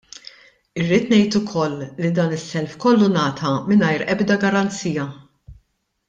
Irrid ngħid ukoll li dan is-self kollu ngħata mingħajr ebda garanzija.